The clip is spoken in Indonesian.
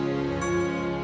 sudah sangat camebat former